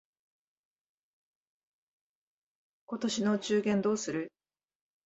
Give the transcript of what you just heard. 今年のお中元どうする？